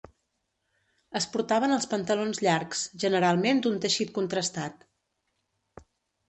Es portaven els pantalons llargs, generalment d'un teixit contrastat.